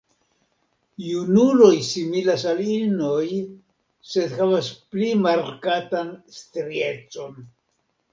Junuloj similas al inoj, sed havas pli markatan striecon.